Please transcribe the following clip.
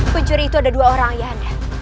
pencuri itu ada dua orang ayah anda